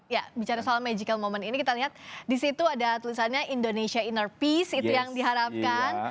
ya bicara soal magical moment ini kita lihat di situ ada tulisannya indonesia inner peace itu yang diharapkan